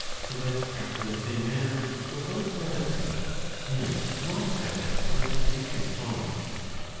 So that after the same manner, it will both have essence and not have it from the producing cause.